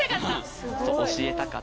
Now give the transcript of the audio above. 教えたかった。